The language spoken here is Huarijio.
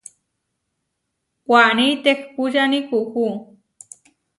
Waní tehpúčani kuú.